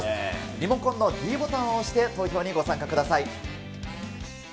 リモコンのｄボタンを押して投票にご参加ください。